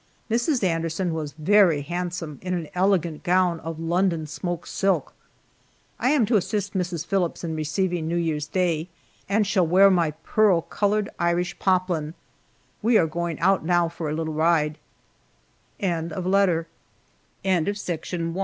Mrs. Anderson was very handsome in an elegant gown of London smoke silk. I am to assist Mrs. Phillips in receiving New Year's day, and shall wear my pearl colored Irish poplin. We are going out now for a little ride. FORT LYON, COLORADO TERRITORY, January, 1872.